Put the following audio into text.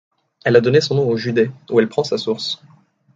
Elle a donné son nom au județ où elle prend sa source.